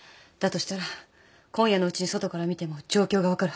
したら今夜のうちに外から見ても状況が分かるはず。